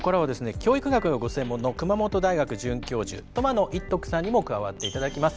教育学がご専門の熊本大学准教授苫野一徳さんにも加わって頂きます。